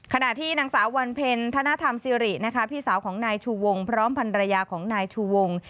ขณะที่นางสาววันเพ็ญธนธรรมสิรินะคะพี่สาวของนายชูวงพร้อมพันรยาของนายชูวง